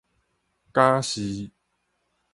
敢是